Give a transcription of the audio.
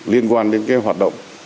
liên quan đến hoạt động